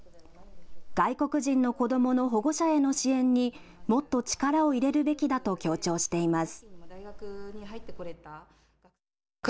外国人の子どもの保護者への支援にもっと力を入れるべきだと強調しています。